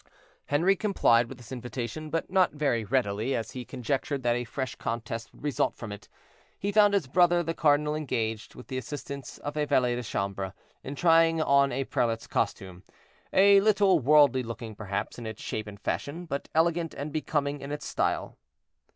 Henri complied with this invitation, but not very readily, as he conjectured that a fresh contest would result from it; he found his brother the cardinal engaged, with the assistance of a valet de chambre, in trying on a prelate's costume, a little worldly looking, perhaps, in its shape and fashion, but elegant and becoming in its style.